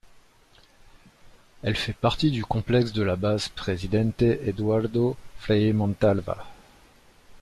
Elle fait partie du complexe de la base Presidente Eduardo Frei Montalva.